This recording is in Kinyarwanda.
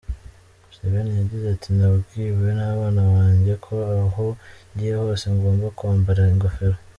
Museveni yagize ati “Nabwiwe n’abana banjye ko aho ngiye hose ngomba kwambara ingofero.